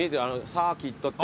サーキットって。